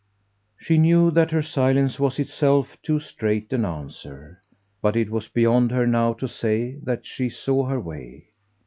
She knew that her silence was itself too straight an answer, but it was beyond her now to say that she saw her way.